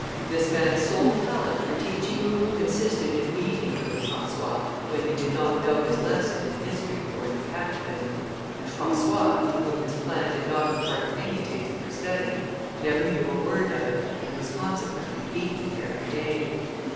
This man's sole talent for teaching consisted in beating little François when he did not know his lesson in history or in the catechism; and François, to whom this plan did not impart any taste for study, never knew a word of it, and was consequently beaten every day.